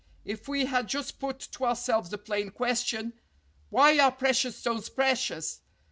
If we had just put to ourselves the plain question, Why are precious stones precious?